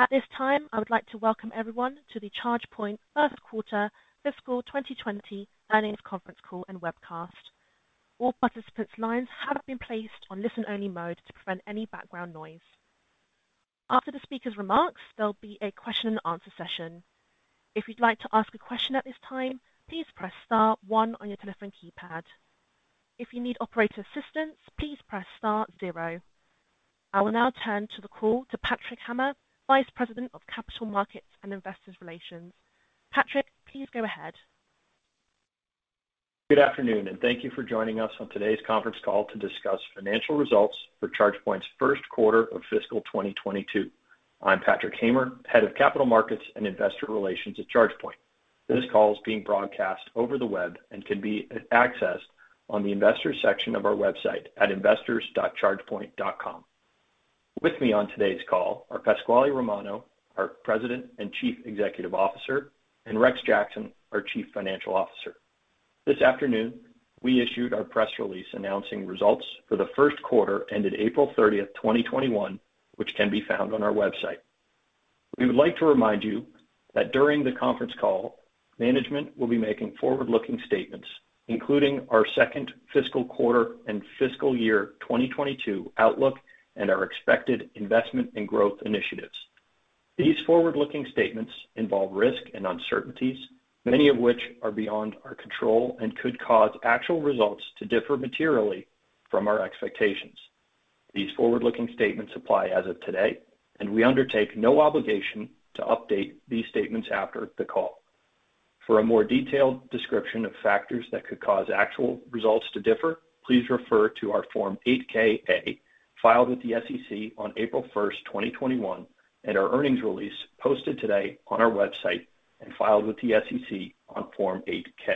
At this time, I would like to welcome everyone to the ChargePoint first quarter fiscal 2020 earnings conference call and webcast. All participants' lines have been placed on listen-only mode to prevent any background noise. After the speaker's remarks, there'll be a question and answer session. If you'd like to ask a question at this time, please press star one on your telephone keypad. If you need operator assistance, please press star zero. I will now turn to the call to Patrick Hamer, Vice President of Capital Markets and Investor Relations. Patrick, please go ahead. Good afternoon, thank you for joining us on today's conference call to discuss financial results for ChargePoint's first quarter of fiscal 2022. I'm Patrick Hamer, Head of Capital Markets and Investor Relations at ChargePoint. This call is being broadcast over the web and can be accessed on the investor section of our website at investors.chargepoint.com. With me on today's call are Pasquale Romano, our President and Chief Executive Officer, and Rex Jackson, our Chief Financial Officer. This afternoon, we issued our press release announcing results for the first quarter ended April 30th, 2021, which can be found on our website. We would like to remind you that during the conference call, management will be making forward-looking statements, including our second fiscal quarter and fiscal year 2022 outlook and our expected investment and growth initiatives. These forward-looking statements involve risk and uncertainties, many of which are beyond our control and could cause actual results to differ materially from our expectations. These forward-looking statements apply as of today, and we undertake no obligation to update these statements after the call. For a more detailed description of factors that could cause actual results to differ, please refer to our Form 8-K/A filed with the SEC on April 1st, 2021, and our earnings release posted today on our website and filed with the SEC on Form 8-K.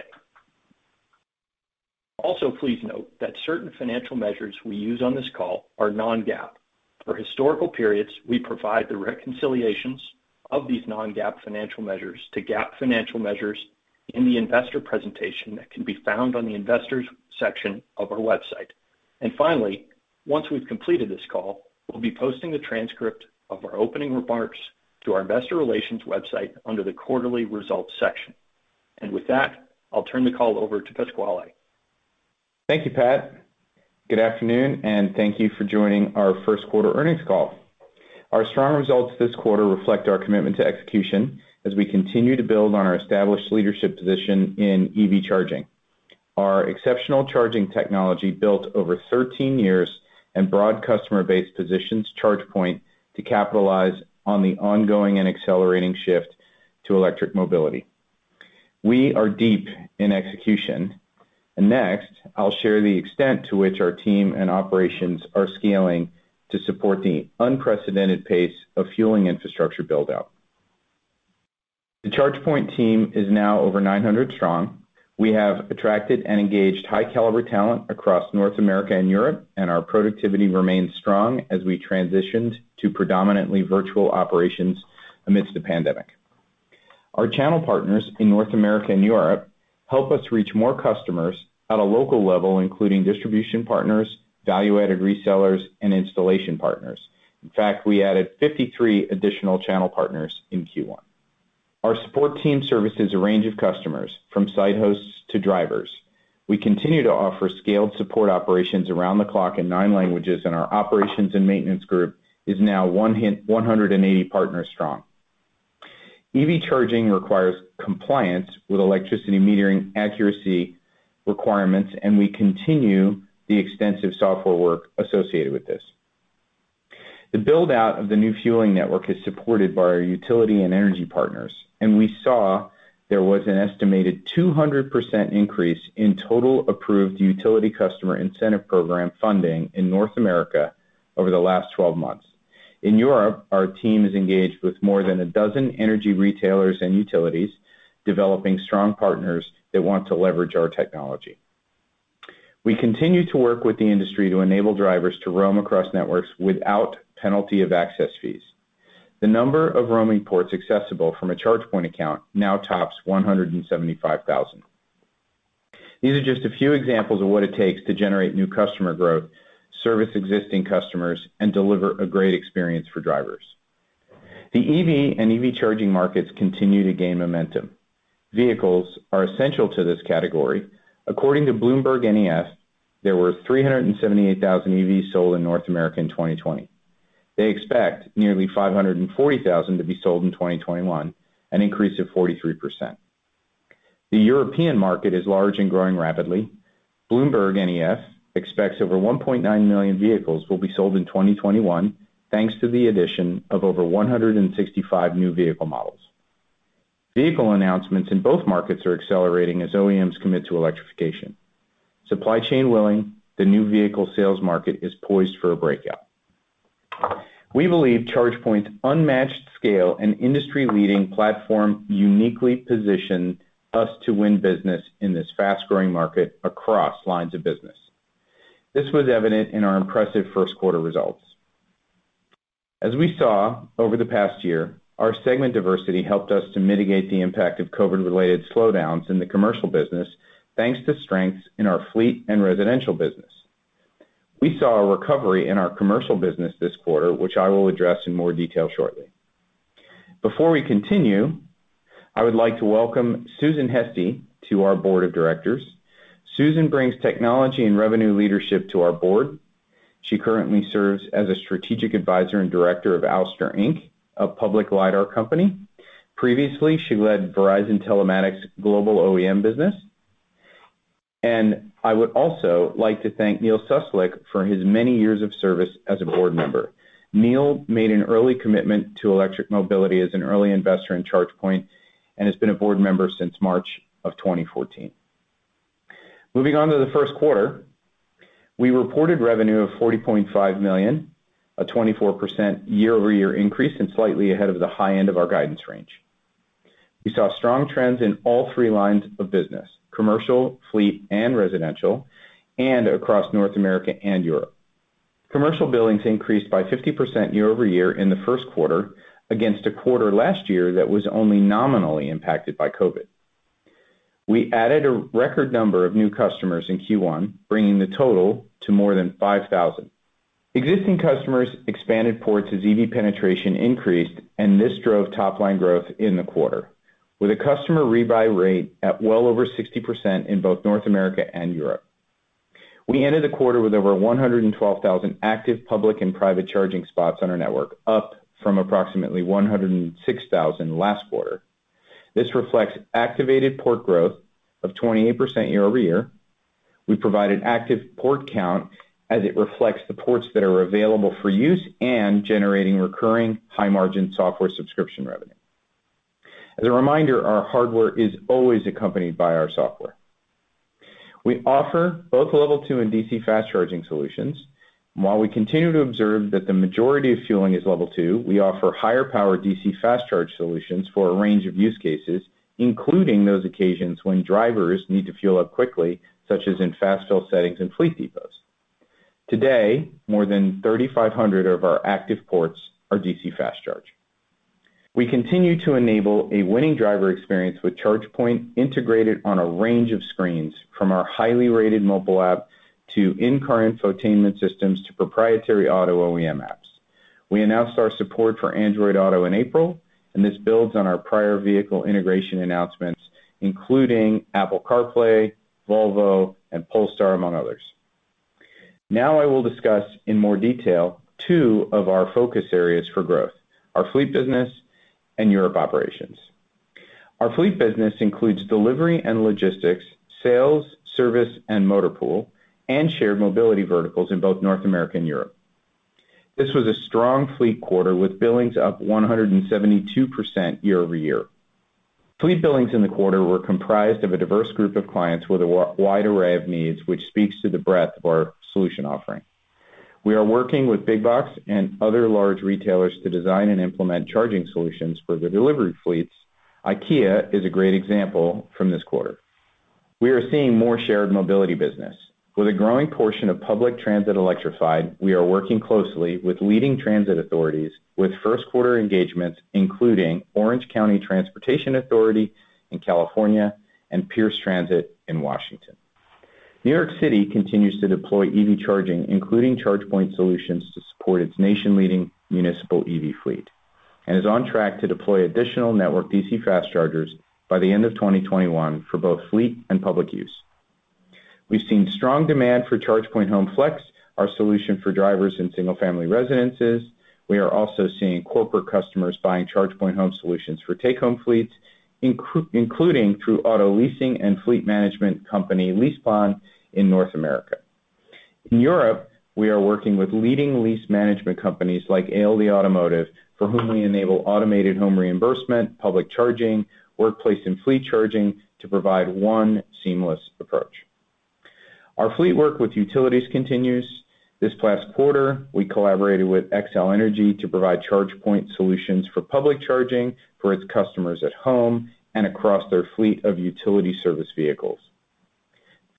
Also, please note that certain financial measures we use on this call are non-GAAP. For historical periods, we provide the reconciliations of these non-GAAP financial measures to GAAP financial measures in the investor presentation that can be found on the investors section of our website. Finally, once we've completed this call, we'll be posting a transcript of our opening remarks to our investor relations website under the quarterly results section. With that, I'll turn the call over to Pasquale. Thank you, Pat. Good afternoon, and thank you for joining our first quarter earnings call. Our strong results this quarter reflect our commitment to execution as we continue to build on our established leadership position in EV charging. Our exceptional charging technology built over 13 years, and broad customer base positions ChargePoint to capitalize on the ongoing and accelerating shift to electric mobility. Next, I'll share the extent to which our team and operations are scaling to support the unprecedented pace of fueling infrastructure build-out. The ChargePoint team is now over 900 strong. We have attracted and engaged high-caliber talent across North America and Europe, and our productivity remains strong as we transitioned to predominantly virtual operations amidst the pandemic. Our channel partners in North America and Europe help us reach more customers at a local level, including distribution partners, value-added resellers, and installation partners. In fact, we added 53 additional channel partners in Q1. Our support team services a range of customers, from site hosts to drivers. We continue to offer scaled support operations around the clock in nine languages, and our operations and maintenance group is now 180 partners strong. EV charging requires compliance with electricity metering accuracy requirements, and we continue the extensive software work associated with this. The build-out of the new fueling network is supported by our utility and energy partners, and we saw there was an estimated 200% increase in total approved utility customer incentive program funding in North America over the last 12 months. In Europe, our team is engaged with more than 12 energy retailers and utilities, developing strong partners that want to leverage our technology. We continue to work with the industry to enable drivers to roam across networks without penalty of access fees. The number of roaming ports accessible from a ChargePoint account now tops 175,000. These are just a few examples of what it takes to generate new customer growth, service existing customers, and deliver a great experience for drivers. The EV and EV charging markets continue to gain momentum. Vehicles are essential to this category. According to BloombergNEF, there were 378,000 EVs sold in North America in 2020. They expect nearly 540,000 to be sold in 2021, an increase of 43%. The European market is large and growing rapidly. BloombergNEF expects over 1.9 million vehicles will be sold in 2021, thanks to the addition of over 165 new vehicle models. Vehicle announcements in both markets are accelerating as OEMs commit to electrification. Supply chain willing, the new vehicle sales market is poised for a breakout. We believe ChargePoint's unmatched scale and industry-leading platform uniquely positions us to win business in this fast-growing market across lines of business. This was evident in our impressive first quarter results. As we saw over the past year, our segment diversity helped us to mitigate the impact of COVID-related slowdowns in the commercial business, thanks to strengths in our fleet and residential business. We saw a recovery in our commercial business this quarter, which I will address in more detail shortly. Before we continue, I would like to welcome Susan Heystee to our board of directors. Susan brings technology and revenue leadership to our board. She currently serves as a strategic advisor and director of Ouster, Inc., a public LiDAR company. Previously, she led Verizon Telematics' global OEM business. I would also like to thank Neil Suslak for his many years of service as a board member. Neil made an early commitment to electric mobility as an early investor in ChargePoint, and has been a board member since March of 2014. Moving on to the first quarter, we reported revenue of $40.5 million, a 24% year-over-year increase, and slightly ahead of the high end of our guidance range. We saw strong trends in all three lines of business, commercial, fleet, and residential, and across North America and Europe. Commercial billings increased by 50% year-over-year in the first quarter against a quarter last year that was only nominally impacted by COVID. We added a record number of new customers in Q1, bringing the total to more than 5,000. Existing customers expanded ports as EV penetration increased. This drove top-line growth in the quarter, with a customer rebuy rate at well over 60% in both North America and Europe. We ended the quarter with over 112,000 active public and private charging spots on our network, up from approximately 106,000 last quarter. This reflects activated port growth of 28% year-over-year. We provide an active port count as it reflects the ports that are available for use and generating recurring high-margin software subscription revenue. As a reminder, our hardware is always accompanied by our software. We offer both Level 2 and DC Fast Charging solutions. While we continue to observe that the majority of fueling is Level 2, we offer higher-power DC Fast Charge solutions for a range of use cases, including those occasions when drivers need to fuel up quickly, such as in fast fill settings and fleet depots. Today, more than 3,500 of our active ports are DC Fast Charge. We continue to enable a winning driver experience with ChargePoint integrated on a range of screens, from our highly rated mobile app to in-car infotainment systems to proprietary auto OEM apps. We announced our support for Android Auto in April, and this builds on our prior vehicle integration announcements, including Apple CarPlay, Volvo, and Polestar, among others. Now, I will discuss in more detail two of our focus areas for growth, our fleet business and Europe operations. Our fleet business includes delivery and logistics, sales, service, and motor pool, and shared mobility verticals in both North America and Europe. This was a strong fleet quarter with billings up 172% year-over-year. Fleet billings in the quarter were comprised of a diverse group of clients with a wide array of needs, which speaks to the breadth of our solution offering. We are working with Big Box and other large retailers to design and implement charging solutions for their delivery fleets. IKEA is a great example from this quarter. We are seeing more shared mobility business. With a growing portion of public transit electrified, we are working closely with leading transit authorities with first quarter engagements, including Orange County Transportation Authority in California and Pierce Transit in Washington. New York City continues to deploy EV charging, including ChargePoint solutions, to support its nation-leading municipal EV fleet, and is on track to deploy additional network DC Fast Chargers by the end of 2021 for both fleet and public use. We've seen strong demand for ChargePoint Home Flex, our solution for drivers in single-family residences. We are also seeing corporate customers buying ChargePoint Home solutions for take-home fleets, including through auto leasing and fleet management company LeasePlan in North America. In Europe, we are working with leading lease management companies like ALD Automotive, for whom we enable automated home reimbursement, public charging, Workplace, and fleet charging to provide one seamless approach. Our fleet work with utilities continues. This past quarter, we collaborated with Xcel Energy to provide ChargePoint solutions for public charging for its customers at home and across their fleet of utility service vehicles.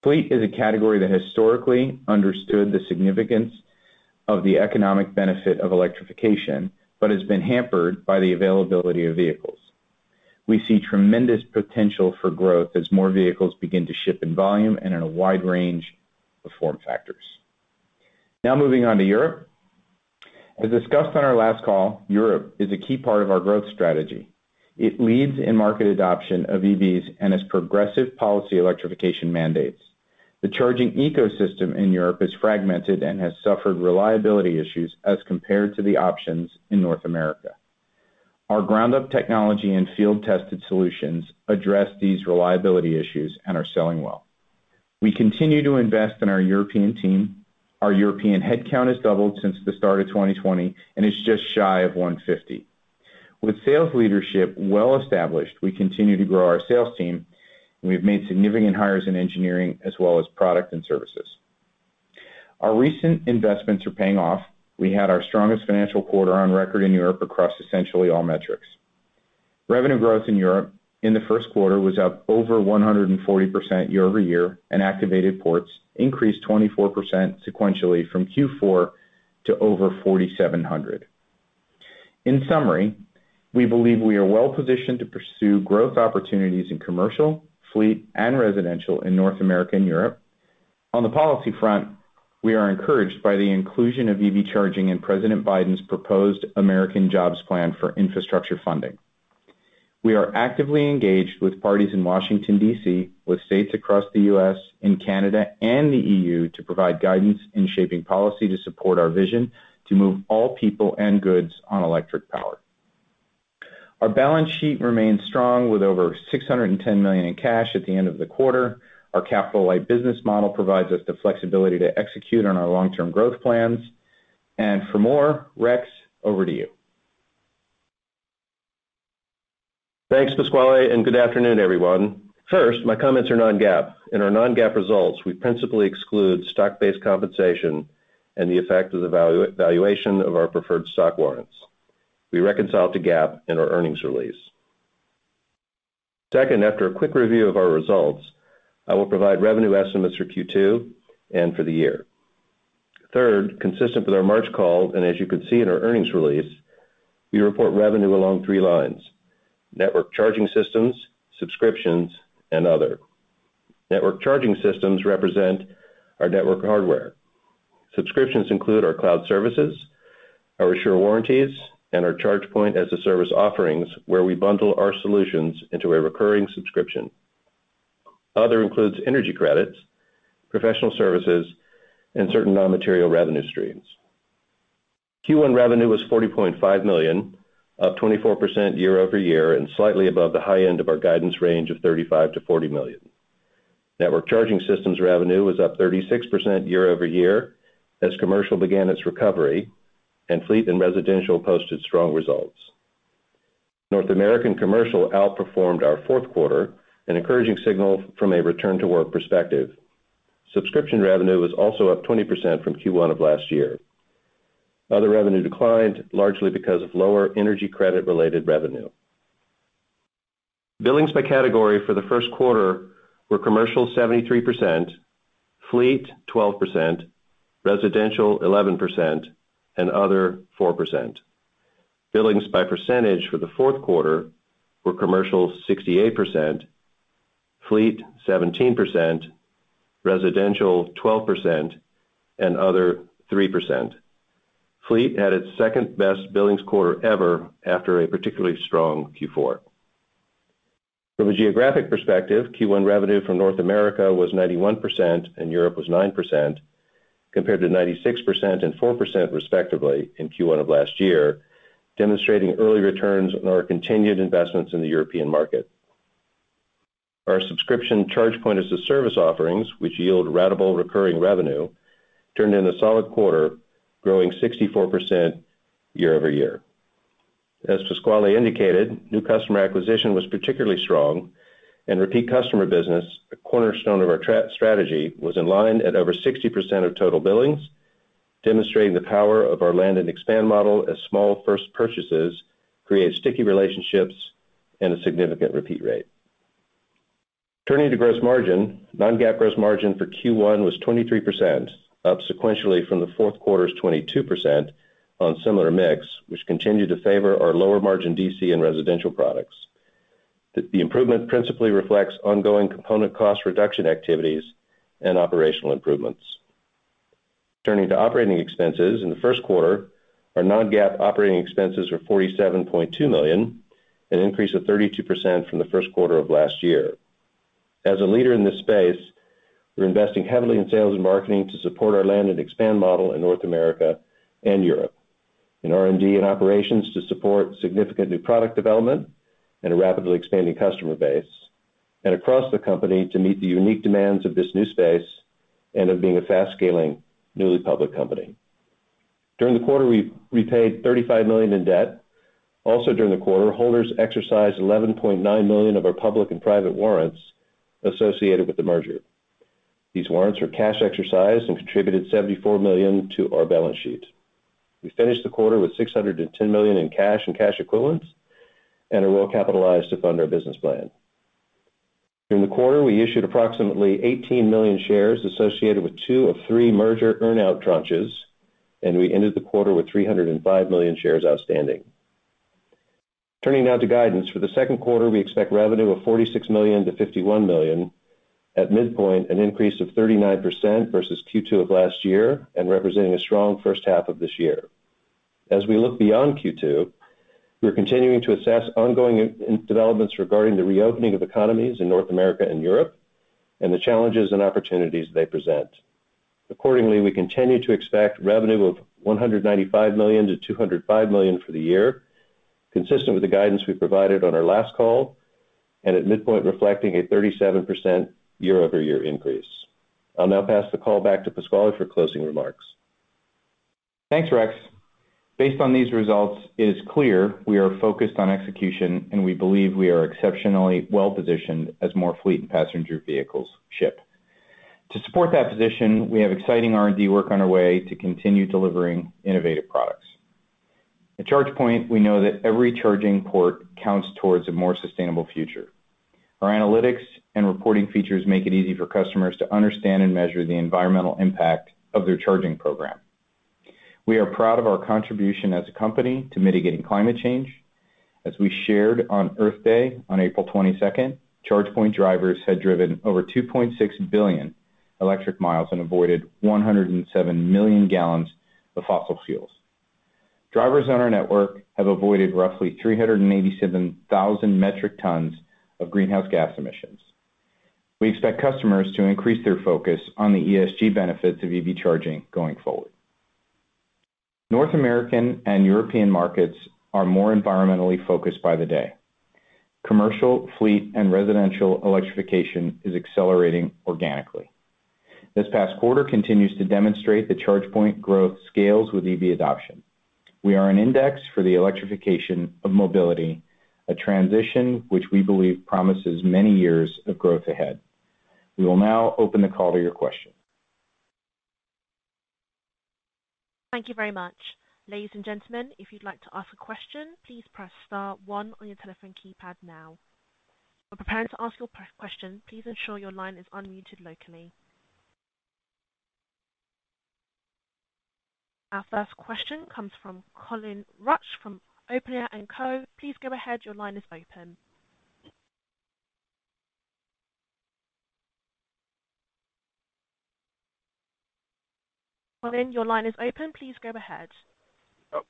Fleet is a category that historically understood the significance of the economic benefit of electrification but has been hampered by the availability of vehicles. We see tremendous potential for growth as more vehicles begin to ship in volume and in a wide range of form factors. Now moving on to Europe. As discussed on our last call, Europe is a key part of our growth strategy. It leads in market adoption of EVs and has progressive policy electrification mandates. The charging ecosystem in Europe is fragmented and has suffered reliability issues as compared to the options in North America. Our ground-up technology and field-tested solutions address these reliability issues and are selling well. We continue to invest in our European team. Our European headcount has doubled since the start of 2020 and is just shy of 150. With sales leadership well established, we continue to grow our sales team, and we've made significant hires in engineering as well as product and services. Our recent investments are paying off. We had our strongest financial quarter on record in Europe across essentially all metrics. Revenue growth in Europe in the first quarter was up over 140% year-over-year. Activated ports increased 24% sequentially from Q4 to over 4,700. In summary, we believe we are well-positioned to pursue growth opportunities in commercial, fleet, and residential in North America and Europe. On the policy front, we are encouraged by the inclusion of EV charging in President Biden's proposed American Jobs Plan for infrastructure funding. We are actively engaged with parties in Washington, D.C., with states across the U.S. and Canada, and the EU to provide guidance in shaping policy to support our vision to move all people and goods on electric power. Our balance sheet remains strong with over $610 million in cash at the end of the quarter. Our capital-light business model provides us the flexibility to execute on our long-term growth plans. For more, Rex, over to you. Thanks, Pasquale, and good afternoon, everyone. First, my comments are non-GAAP. In our non-GAAP results, we principally exclude stock-based compensation and the effect of the valuation of our preferred stock warrants. We reconcile to GAAP in our earnings release. Second, after a quick review of our results, I will provide revenue estimates for Q2 and for the year. Third, consistent with our March call, and as you can see in our earnings release, we report revenue along three lines: Networked Charging Systems, subscriptions, and other. Networked Charging Systems represent our network hardware. Subscriptions include our cloud services, our Assure warranties, and our ChargePoint as a Service offerings where we bundle our solutions into a recurring subscription. Other includes energy credits, professional services, and certain non-material revenue streams. Q1 revenue was $40.5 million, up 24% year-over-year, and slightly above the high end of our guidance range of $35 million-$40 million. Networked Charging Systems revenue was up 36% year-over-year as commercial began its recovery and fleet and residential posted strong results. North American Commercial outperformed our fourth quarter, an encouraging signal from a return to work perspective. Subscription revenue was also up 20% from Q1 of last year. Other revenue declined largely because of lower energy credit-related revenue. Billings by category for the first quarter were commercial 73%, fleet 12%, residential 11%, and other 4%. Billings by percentage for the fourth quarter were commercial 68%, fleet 17%, residential 12%, and other 3%. Fleet had its second-best billings quarter ever after a particularly strong Q4. From a geographic perspective, Q1 revenue from North America was 91% and Europe was 9%, compared to 96% and 4%, respectively, in Q1 of last year, demonstrating early returns on our continued investments in the European market. Our subscription ChargePoint as a Service offerings, which yield ratable recurring revenue, turned in a solid quarter, growing 64% year-over-year. As Pasquale indicated, new customer acquisition was particularly strong and repeat customer business, a cornerstone of our strategy, was in line at over 60% of total billings, demonstrating the power of our land and expand model as small first purchases create sticky relationships and a significant repeat rate. Turning to gross margin, non-GAAP gross margin for Q1 was 23%, up sequentially from the fourth quarter's 22% on similar mix, which continued to favor our lower margin DC and residential products. The improvement principally reflects ongoing component cost reduction activities and operational improvements. Turning to operating expenses, in the first quarter, our non-GAAP operating expenses were $47.2 million, an increase of 32% from the first quarter of last year. As a leader in this space, we're investing heavily in sales and marketing to support our land and expand model in North America and Europe, in R&D and operations to support significant new product development and a rapidly expanding customer base, and across the company to meet the unique demands of this new space and of being a fast-scaling, newly public company. During the quarter, we paid $35 million in debt. During the quarter, holders exercised $11.9 million of our public and private warrants associated with the merger. These warrants were cash exercised and contributed $74 million to our balance sheet. We finished the quarter with $610 million in cash and cash equivalents and are well-capitalized to fund our business plan. During the quarter, we issued approximately 18 million shares associated with two of three merger earn-out tranches, and we ended the quarter with 305 million shares outstanding. Turning now to guidance. For the second quarter, we expect revenue of $46 million-$51 million, at midpoint, an increase of 39% versus Q2 of last year and representing a strong first half of this year. As we look beyond Q2, we are continuing to assess ongoing developments regarding the reopening of economies in North America and Europe and the challenges and opportunities they present. Accordingly, we continue to expect revenue of $195 million-$205 million for the year, consistent with the guidance we provided on our last call, and at midpoint reflecting a 37% year-over-year increase. I'll now pass the call back to Pasquale for closing remarks. Thanks, Rex. Based on these results, it is clear we are focused on execution, and we believe we are exceptionally well-positioned as more fleet and passenger vehicles ship. To support that position, we have exciting R&D work on our way to continue delivering innovative products. At ChargePoint, we know that every charging port counts towards a more sustainable future. Our analytics and reporting features make it easy for customers to understand and measure the environmental impact of their charging program. We are proud of our contribution as a company to mitigating climate change. As we shared on Earth Day, on April 22nd, ChargePoint drivers had driven over 2.6 billion electric miles and avoided 107 million gallons of fossil fuels. Drivers on our network have avoided roughly 387,000 metric tons of greenhouse gas emissions. We expect customers to increase their focus on the ESG benefits of EV charging going forward. North American and European markets are more environmentally focused by the day. Commercial, fleet, and residential electrification is accelerating organically. This past quarter continues to demonstrate that ChargePoint growth scales with EV adoption. We are an index for the electrification of mobility, a transition which we believe promises many years of growth ahead. We will now open the call to your questions. Thank you very much. Ladies and gentlemen, if you'd like to ask a question, please press star one on your telephone keypad now. When preparing to ask your question, please ensure your line is unmuted locally. Our first question comes from Colin Rusch from Oppenheimer & Co. Please go ahead. Your line is open. Colin, your line is open. Please go ahead. Oh.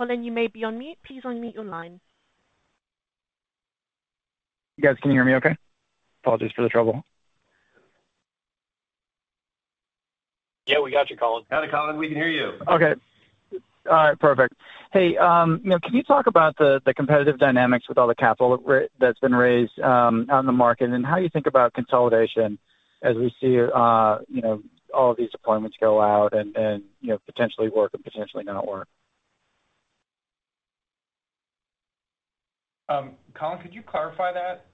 Colin, you may be on mute. Please unmute your line. You guys can hear me okay? Apologies for the trouble. Yeah, we got you, Colin. Hi, Colin. We can hear you. Okay. All right, perfect. Hey, can you talk about the competitive dynamics with all the capital that's been raised on the market, and how you think about consolidation as we see all these deployments roll out and potentially work or potentially not work? Colin, could you clarify that?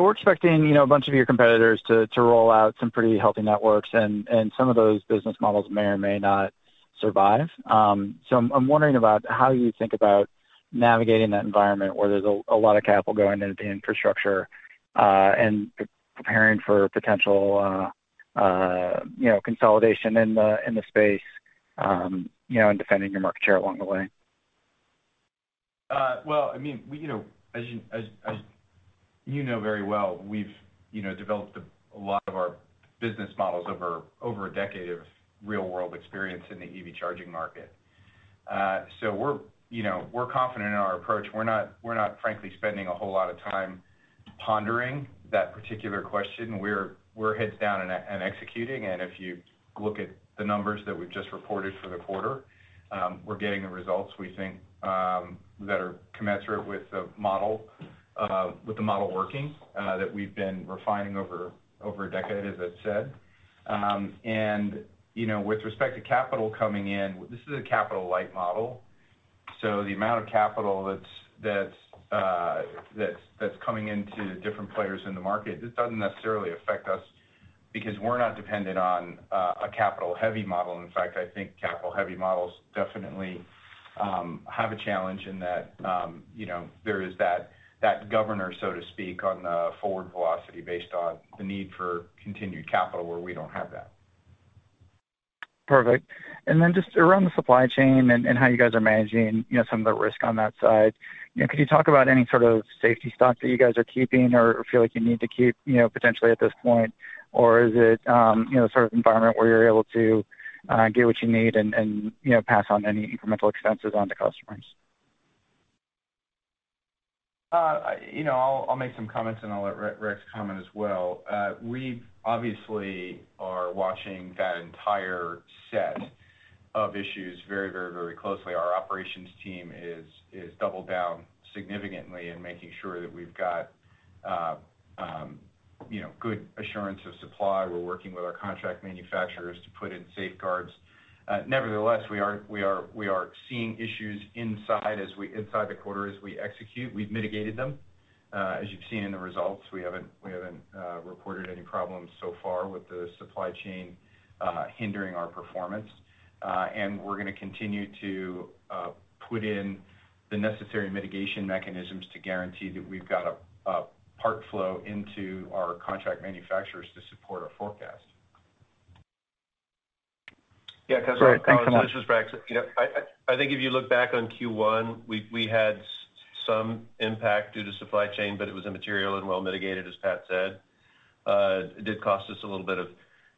We're expecting a bunch of your competitors to roll out some pretty healthy networks, and some of those business models may or may not survive. I'm wondering about how you think about navigating that environment where there's a lot of capital going into the infrastructure and preparing for potential consolidation in the space and defending your market share along the way. As you know very well, we've developed a lot of our business models over a decade of real-world experience in the EV charging market. We're confident in our approach. We're not, frankly, spending a whole lot of time pondering that particular question. We're heads down and executing, and if you look at the numbers that we've just reported for the quarter, we're getting the results we think that are commensurate with the model working, that we've been refining over a decade, as I've said. With respect to capital coming in, this is a capital-light model. The amount of capital that's coming into different players in the market, this doesn't necessarily affect us because we're not dependent on a capital-heavy model. I think capital-heavy models definitely have a challenge in that there is that governor, so to speak, on the forward velocity based on the need for continued capital, where we don't have that. Perfect. Just around the supply chain and how you guys are managing some of the risk on that side, can you talk about any sort of safety stock that you guys are keeping or feel like you need to keep potentially at this point? Is it the sort of environment where you're able to get what you need and pass on any incremental expenses onto customers? I'll make some comments, and I'll let Rex comment as well. We obviously are watching that entire set of issues very closely. Our operations team is doubled down significantly in making sure that we've got good assurance of supply. We're working with our contract manufacturers to put in safeguards. Nevertheless, we are seeing issues inside the quarter as we execute. We've mitigated them, as you've seen in the results. We haven't reported any problems so far with the supply chain hindering our performance. We're going to continue to put in the necessary mitigation mechanisms to guarantee that we've got a part flow into our contract manufacturers to support our forecast. Great. Thanks so much. Colin, Rex, I think if you look back on Q1, we had some impact due to supply chain, it was immaterial and well mitigated as Pat said. It did cost us a little bit of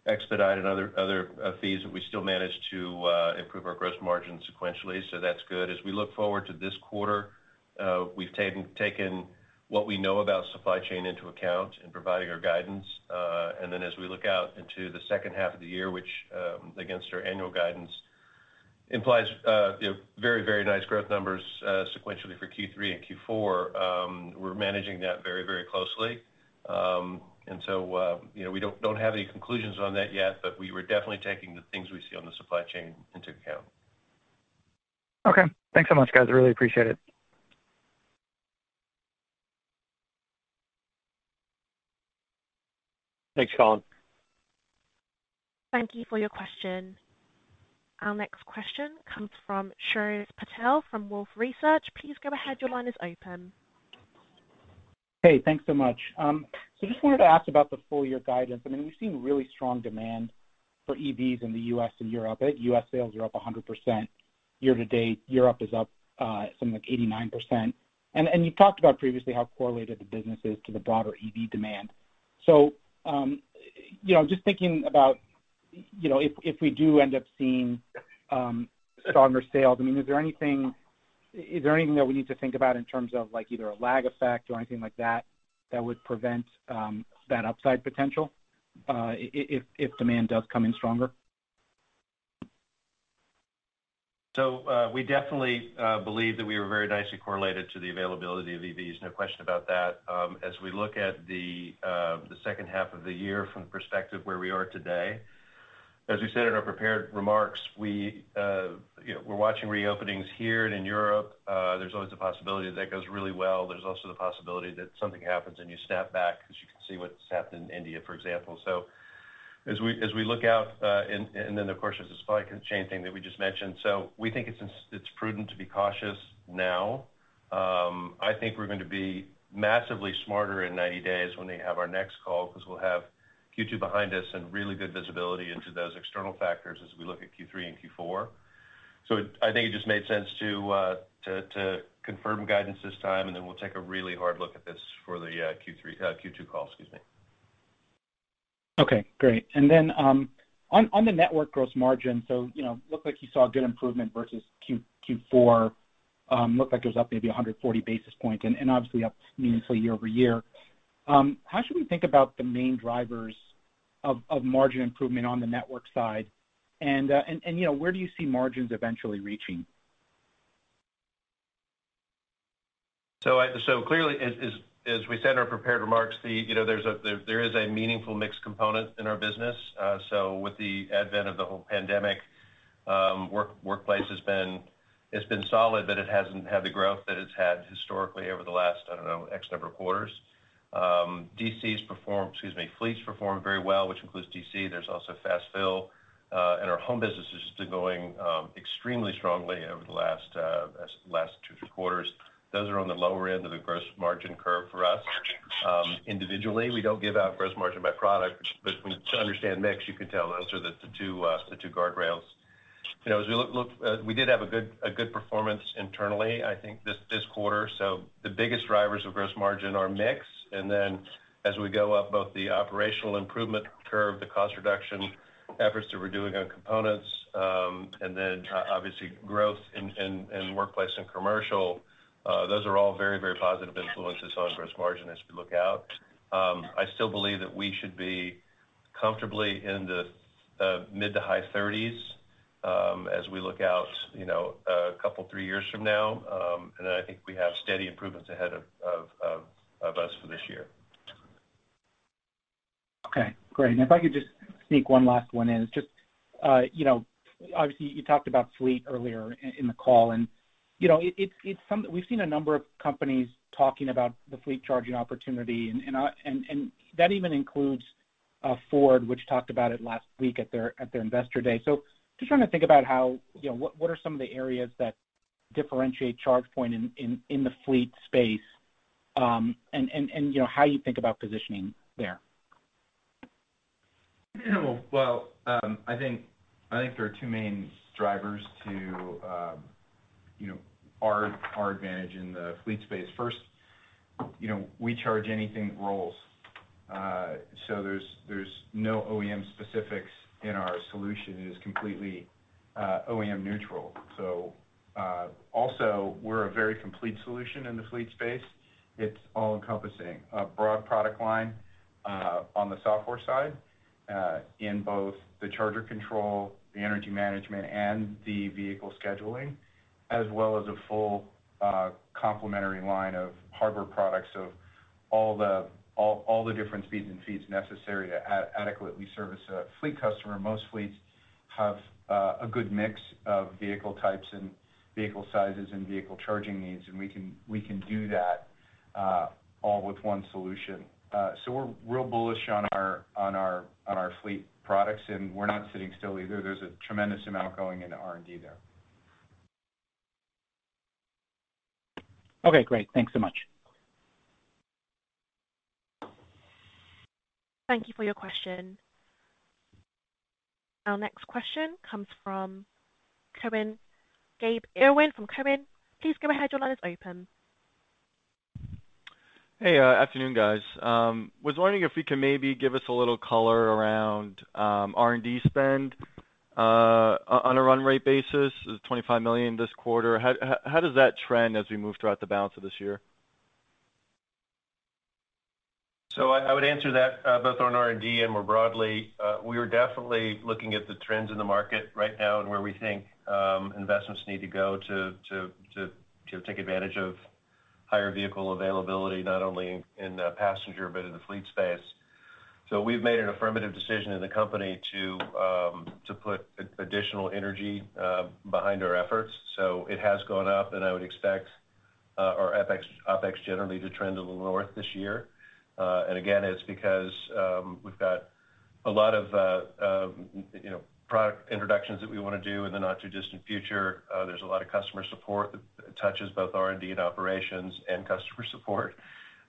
expedite and other fees, we still managed to improve our gross margin sequentially, that's good. As we look forward to this quarter, we've taken what we know about supply chain into account in providing our guidance. As we look out into the second half of the year, which against our annual guidance implies very nice growth numbers sequentially for Q3 and Q4, we're managing that very closely. We don't have any conclusions on that yet, we were definitely taking the things we see on the supply chain into account. Okay. Thanks so much, guys. Really appreciate it. Thanks, [Rusch]. Thank you for your question. Our next question comes from Shreyas Patil from Wolfe Research. Please go ahead. Your line is open. Hey, thanks so much. Just wanted to ask about the full year guidance. We've seen really strong demand for EVs in the U.S. and Europe. U.S. sales are up 100% year to date. Europe is up something like 89%. You talked about previously how correlated the business is to the broader EV demand. Just thinking about if we do end up seeing stronger sales, is there anything that we need to think about in terms of either a lag effect or anything like that would prevent that upside potential if demand does come in stronger? We definitely believe that we were very nicely correlated to the availability of EVs. No question about that. As we look at the second half of the year from the perspective of where we are today, as we said in our prepared remarks, we're watching reopenings here and in Europe. There's always a possibility that goes really well. There's also the possibility that something happens, and you snap back, as you can see what's happened in India, for example. As we look out, and then, of course, there's the supply chain thing that we just mentioned. We think it's prudent to be cautious now. I think we're going to be massively smarter in 90 days when we have our next call because we'll have Q2 behind us and really good visibility into those external factors as we look at Q3 and Q4. I think it just made sense to confirm guidance this time, and then we'll take a really hard look at this for the Q2 call. Okay, great. On the network gross margin, so looks like you saw good improvement versus Q4. Looks like it was up maybe 140 basis points and obviously up meaningfully year-over-year. How should we think about the main drivers of margin improvement on the network side? Where do you see margins eventually reaching? Clearly, as we said in our prepared remarks, there is a meaningful mix component in our business. With the advent of the whole pandemic, Workplace has been solid, but it hasn't had the growth that it's had historically over the last, I don't know, X number of quarters. DC has performed, Fleets performed very well, which includes DC. There's also fast fill. Our Home business is just going extremely strongly over the last two quarters. Those are on the lower end of the gross margin curve for us. Individually, we don't give out gross margin by product, but to understand mix, you can tell those are the two guardrails. We did have a good performance internally, I think, this quarter. The biggest drivers of gross margin are mix, and then as we go up both the operational improvement curve, the cost reduction efforts that we're doing on components, and then obviously growth in Workplace and Commercial, those are all very, very positive influences on gross margin as we look out. I still believe that we should be comfortably in the mid to high 30s as we look out a couple, three years from now, and I think we have steady improvements ahead of us for this year. Okay, great. If I could just sneak one last one in. Obviously, you talked about fleet earlier in the call, and we've seen a number of companies talking about the fleet charging opportunity, and that even includes Ford, which talked about it last week at their Investor Day. Just trying to think about what are some of the areas that differentiate ChargePoint in the fleet space and how you think about positioning there? Well, I think there are two main drivers to our advantage in the fleet space. First, we charge anything that rolls. There's no OEM specifics in our solution. It is completely OEM neutral. Also, we're a very complete solution in the fleet space. It's all encompassing. A broad product line on the software side in both the charger control, the energy management, and the vehicle scheduling, as well as a full complementary line of hardware products. All the different speeds and feeds necessary to adequately service a fleet customer. Most fleets have a good mix of vehicle types and vehicle sizes and vehicle charging needs, and we can do that all with one solution. We're real bullish on our fleet products, and we're not sitting still either. There's a tremendous amount going into R&D there. Okay, great. Thanks so much. Thank you for your question. Our next question comes from Gabe Daoud from Cowen. Please go ahead. Your line is open. Hey, afternoon, guys. Was wondering if you could maybe give us a little color around R&D spend on a run rate basis. It was $25 million this quarter. How does that trend as we move throughout the balance of this year? I would answer that both on R&D and more broadly. We are definitely looking at the trends in the market right now and where we think investments need to go to take advantage of higher vehicle availability, not only in passenger, but in the fleet space. We've made an affirmative decision as a company to put additional energy behind our efforts. It has gone up, and I would expect our OpEx generally to trend a little north this year. Again, it's because we've got a lot of product introductions that we want to do in the not-too-distant future. There's a lot of customer support that touches both R&D and operations and customer support.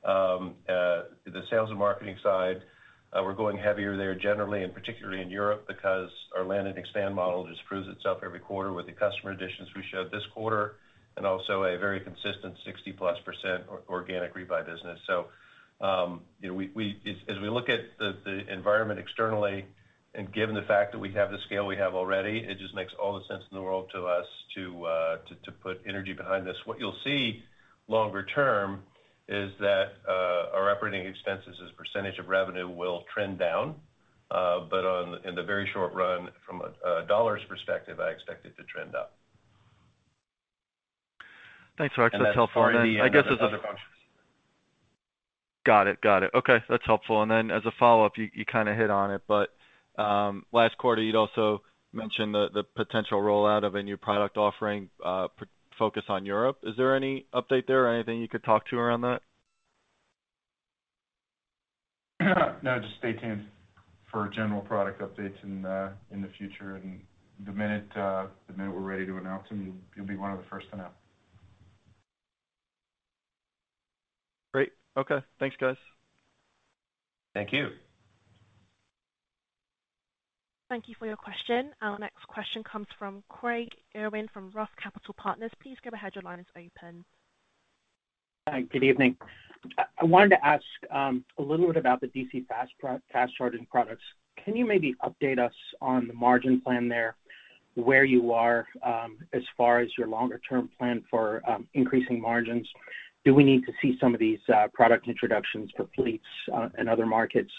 The sales and marketing side we're going heavier there generally, and particularly in Europe, because our land and expand model just proves itself every quarter with the customer additions we showed this quarter, and also a very consistent 60%+ organic rebuy business. As we look at the environment externally and given the fact that we have the scale we have already, it just makes all the sense in the world to us to put energy behind this. What you'll see longer term is that our operating expenses as a percentage of revenue will trend down. In the very short run from a dollars perspective, I expect it to trend up. Thanks, Rex. That's helpful. I guess there's other questions. Got it. Okay. That's helpful. As a follow-up, you kind of hit on it, but last quarter you'd also mentioned the potential rollout of a new product offering focused on Europe. Is there any update there or anything you could talk to around that? No, just stay tuned for general product updates in the future and the minute we're ready to announce, you'll be one of the first to know. Great. Okay. Thanks, guys. Thank you. Thank you for your question. Our next question comes from Craig Irwin from Roth Capital Partners. Please go ahead, your line is open. Good evening. I wanted to ask a little bit about the DC Fast Charging products. Can you maybe update us on the margin plan there, where you are as far as your longer-term plan for increasing margins? Do we need to see some of these product introductions for fleets in other markets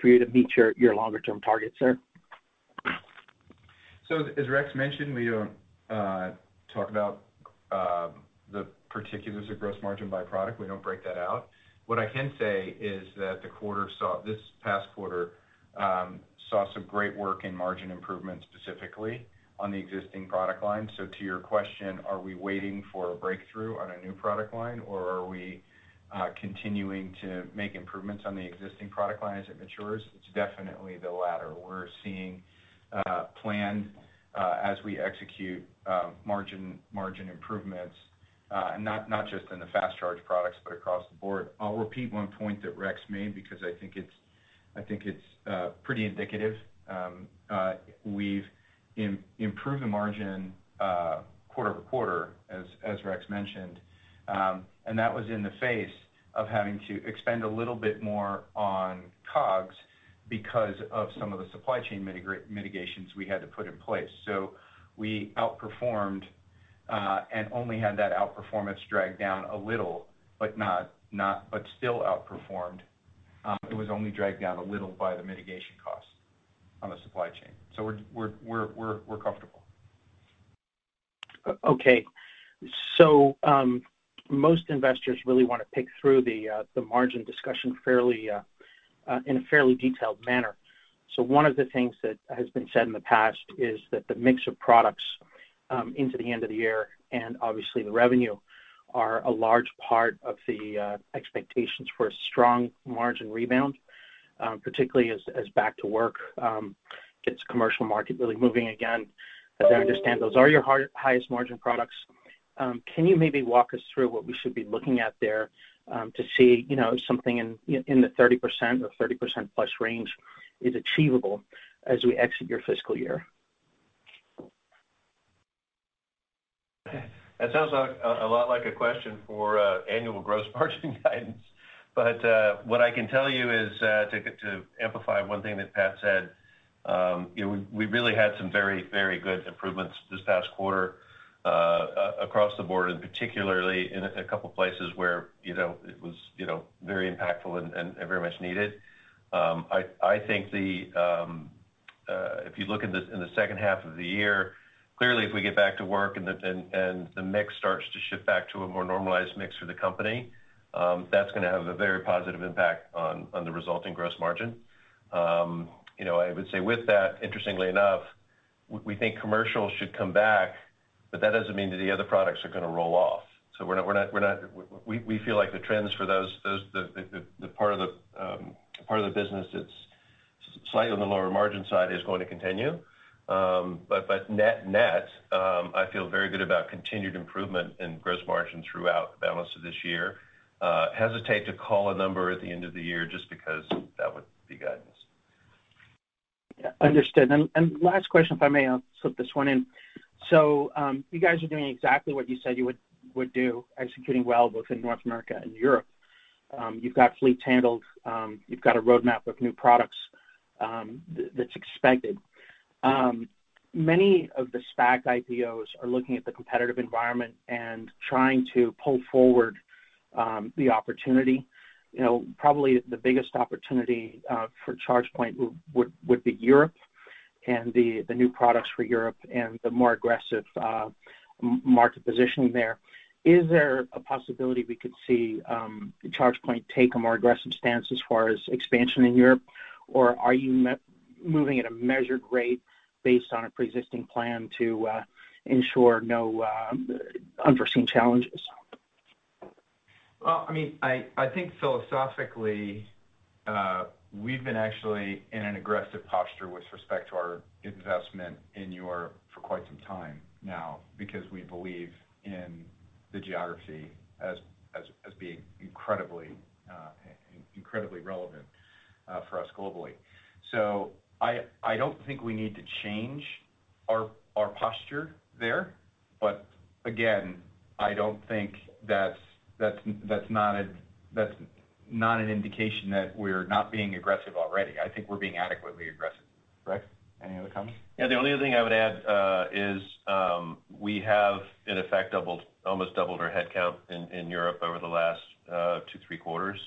for you to meet your longer-term targets there? As Rex mentioned, we don't talk about the particulars of gross margin by product. We don't break that out. What I can say is that this past quarter saw some great work in margin improvement, specifically on the existing product line. To your question, are we waiting for a breakthrough on a new product line, or are we continuing to make improvements on the existing product line as it matures? It's definitely the latter. We're seeing planned as we execute margin improvements, not just in the fast charge products, but across the board. I'll repeat one point that Rex made because I think it's pretty indicative. We've improved the margin quarter-over-quarter, as Rex mentioned. That was in the face of having to expend a little bit more on COGS because of some of the supply chain mitigations we had to put in place. We outperformed, and only had that outperformance dragged down a little, but still outperformed. It was only dragged down a little by the mitigation cost on the supply chain. We're comfortable. Okay. Most investors really want to pick through the margin discussion in a fairly detailed manner. One of the things that has been said in the past is that the mix of products into the end of the year, and obviously the revenue, are a large part of the expectations for a strong margin rebound, particularly as back to work gets commercial market really moving again. As I understand, those are your highest margin products. Can you maybe walk us through what we should be looking at there to see something in the 30% or 30%+ range is achievable as we exit your fiscal year? That sounds a lot like a question for annual gross margin guidance. What I can tell you is, to amplify one thing that Pat said, we really had some very good improvements this past quarter across the board, and particularly in a couple of places where it was very impactful and very much needed. I think if you look in the second half of the year, clearly, if we get back to work and the mix starts to shift back to a more normalized mix for the company, that's going to have a very positive impact on the resulting gross margin. I would say with that, interestingly enough, we think commercial should come back, that doesn't mean that the other products are going to roll off. We feel like the trends for the part of the business that's slightly on the lower margin side is going to continue. Net, I feel very good about continued improvement in gross margin throughout the balance of this year. Hesitate to call a number at the end of the year just because that would be guidance. Understood. Last question, if I may slip this one in. You guys are doing exactly what you said you would do, executing well both in North America and Europe. You've got fleet handles, you've got a roadmap of new products that's expected. Many of the SPAC IPOs are looking at the competitive environment and trying to pull forward the opportunity. Probably the biggest opportunity for ChargePoint would be Europe. The new products for Europe and the more aggressive market position there. Is there a possibility we could see ChargePoint take a more aggressive stance as far as expansion in Europe? Or are you moving at a measured rate based on a pre-existing plan to ensure no unforeseen challenges? Well, I think philosophically, we've been actually in an aggressive posture with respect to our investment in Europe for quite some time now, because we believe in the geography as being incredibly relevant for us globally. I don't think we need to change our posture there. Again, that's not an indication that we're not being aggressive already. I think we're being adequately aggressive. Rex, any other comments? Yeah, the only thing I would add is we have in effect almost doubled our headcount in Europe over the last two, three quarters.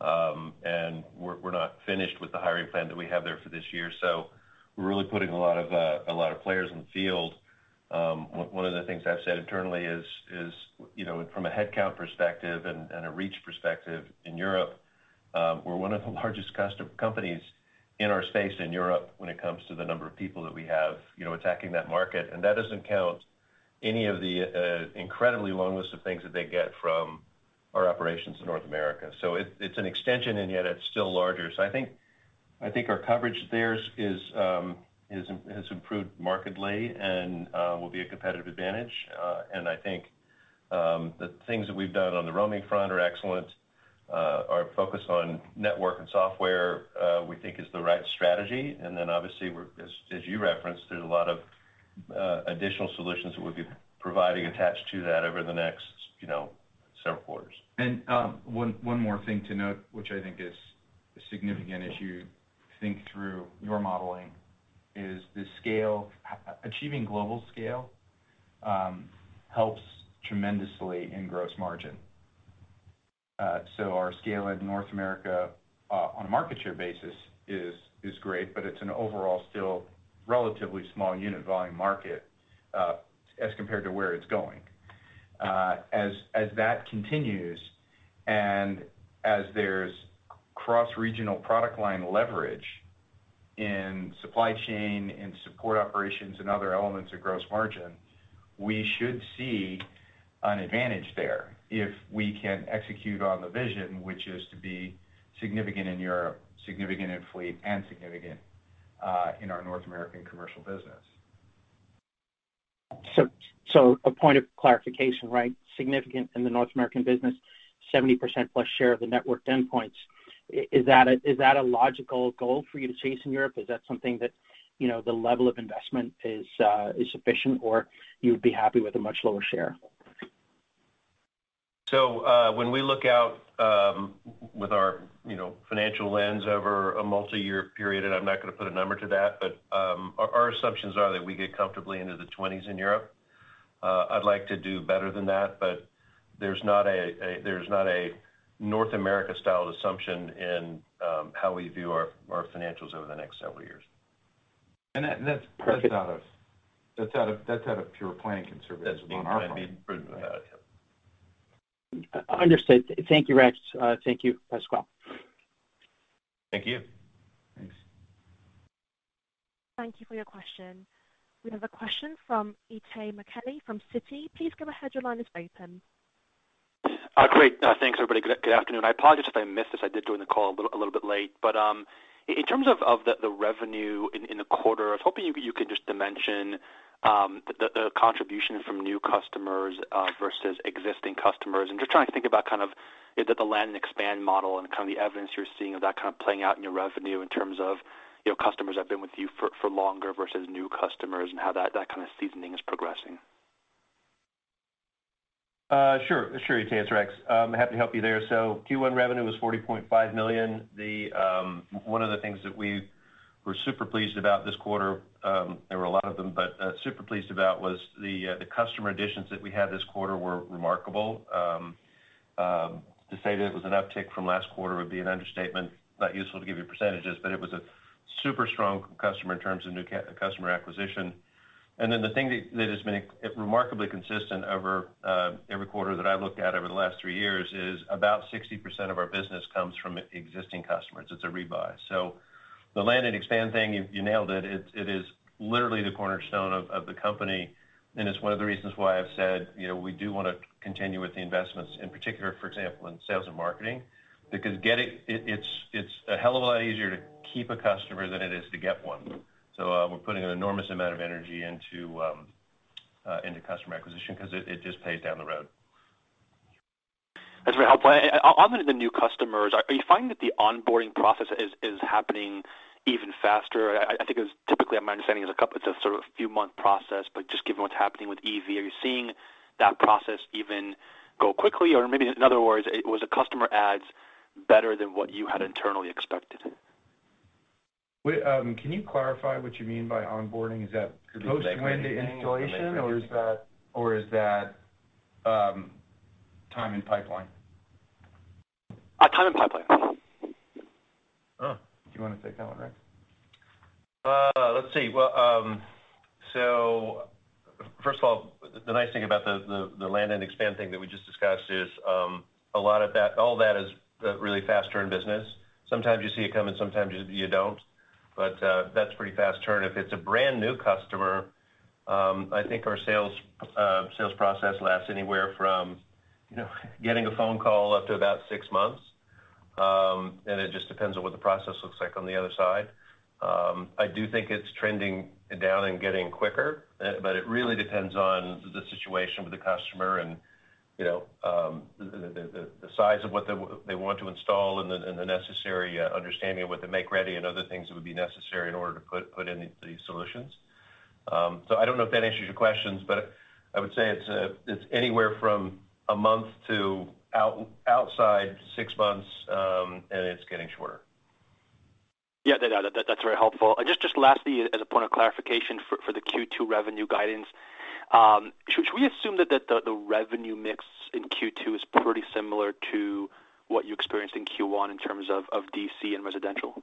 We're not finished with the hiring plan that we have there for this year. We're really putting a lot of players in the field. One of the things I've said internally is from a headcount perspective and a reach perspective in Europe, we're one of the largest companies in our space in Europe when it comes to the number of people that we have attacking that market. That doesn't count any of the incredibly long list of things that they get from our operations in North America. It's an extension, and yet it's still larger. I think our coverage there has improved markedly and will be a competitive advantage. I think the things that we've done on the roaming front are excellent. Our focus on network and software we think is the right strategy. Obviously, as you referenced, there's a lot of additional solutions that we'll be providing attached to that over the next several quarters. One more thing to note, which I think is a significant issue to think through your modeling is achieving global scale helps tremendously in gross margin. Our scale in North America on a market share basis is great, but it's an overall still relatively small unit volume market as compared to where it's going. As that continues and as there's cross-regional product line leverage in supply chain and support operations and other elements of gross margin, we should see an advantage there if we can execute on the vision, which is to be significant in Europe, significant in fleet, and significant in our North American commercial business. A point of clarification, right? Significant in the North American business, 70% plus share of the network endpoints. Is that a logical goal for you to chase in Europe? Is that something that the level of investment is sufficient, or you would be happy with a much lower share? When we look out with our financial lens over a multi-year period, I'm not going to put a number to that, but our assumptions are that we get comfortably into the 20s in Europe. I'd like to do better than that, but there's not a North America-style assumption in how we view our financials over the next several years. That's out of pure playing conservatives on our part. Understood. Thank you, Rex. Thank you, Pasquale. Thank you. Thanks. Thank you for your question. We have a question from Itay Michaeli from Citi. Please go ahead. Your line is open. Great. Thanks, everybody. Good afternoon. I apologize if I missed this. I did join the call a little bit late. In terms of the revenue in the quarter, I was hoping you could just dimension the contribution from new customers versus existing customers. I'm just trying to think about the land and expand model and the evidence you're seeing of that playing out in your revenue in terms of customers that have been with you for longer versus new customers and how that kind of seasoning is progressing. Sure, Itay. It's Rex. Happy to help you there. Q1 revenue was $40.5 million. One of the things that we were super pleased about this quarter, there were a lot of them, but super pleased about was the customer additions that we had this quarter were remarkable. To say that it was an uptick from last quarter would be an understatement, not useful to give you percentages, but it was a super strong customer in terms of new customer acquisition. The thing that has been remarkably consistent over every quarter that I've looked at over the last three years is about 60% of our business comes from existing customers. It's a rebuy. The land and expand thing, you nailed it. It is literally the cornerstone of the company, and it's one of the reasons why I've said we do want to continue with the investments, in particular, for example, in sales and marketing, because it's a hell of a lot easier to keep a customer than it is to get one. We're putting an enormous amount of energy into customer acquisition because it just pays down the road. That's very helpful. On the new customers, are you finding that the onboarding process is happening even faster? I think it was typically, I might have said it was a couple, just sort of a few month process, but just given what's happening with EV, are you seeing that process even go quickly? Or maybe in other words, was the customer adds better than what you had internally expected? Wait, can you clarify what you mean by onboarding? Is that post-landed installation or is that timing pipeline? Time pipeline. Do you want to take that one, Rex? Let's see. First of all, the nice thing about the land and expand thing that we just discussed is all that is really fast turn business. Sometimes you see it coming, sometimes you don't, but that's pretty fast turn. If it's a brand new customer, I think our sales process lasts anywhere from getting a phone call up to about six months, and it just depends on what the process looks like on the other side. I do think it's trending down and getting quicker, but it really depends on the situation with the customer and the size of what they want to install and the necessary understanding of what the make-ready and other things would be necessary in order to put in these solutions. I don't know if that answers your questions, but I would say it's anywhere from a month to outside six months, and it's getting shorter. That's very helpful. Just lastly, as a point of clarification for the Q2 revenue guidance, should we assume that the revenue mix in Q2 is pretty similar to what you experienced in Q1 in terms of DC and residential?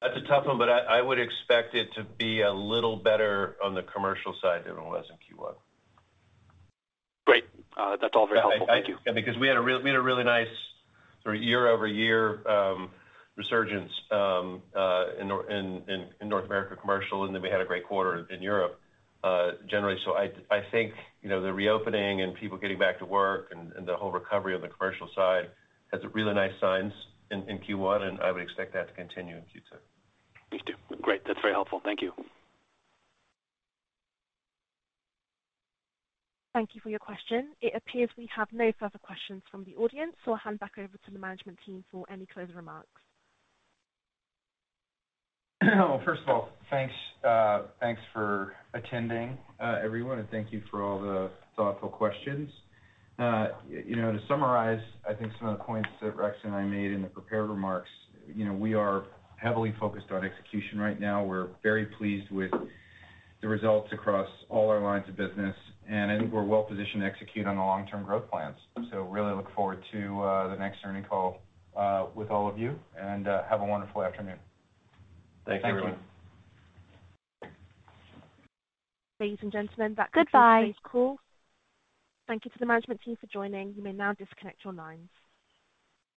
That's a tough one, but I would expect it to be a little better on the commercial side than it was in Q1. Great. That's all very helpful. Thank you. We had a really nice year-over-year resurgence in North America commercial, and then we had a great quarter in Europe generally. I think the reopening and people getting back to work and the whole recovery on the commercial side had some really nice signs in Q1, and I would expect that to continue in Q2. Me too. Great. That's very helpful. Thank you. Thank you for your question. It appears we have no further questions from the audience, I'll hand back over to the management team for any closing remarks. First of all, thanks for attending, everyone, and thank you for all the thoughtful questions. To summarize, I think some of the points that Rex and I made in the prepared remarks, we are heavily focused on execution right now. We're very pleased with the results across all our lines of business, and I think we're well-positioned to execute on our long-term growth plans. Really look forward to the next earnings call with all of you, and have a wonderful afternoon. Thank you, everyone. Thank you. Ladies and gentlemen, that concludes the call. Goodbye. Thank you to the management team for joining. You may now disconnect your lines.